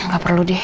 gak perlu deh